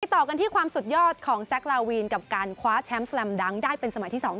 ต่อกันที่ความสุดยอดของแซคลาวีนกับการคว้าแชมป์แลมดังได้เป็นสมัยที่๒